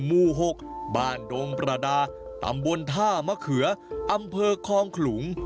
มูหกบ้านโดมประดาตำบนท่ามะเขืออำเพอร์คลุง